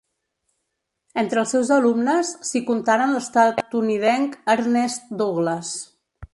Entre els seus alumnes s'hi contaren l'estatunidenc Ernest Douglas.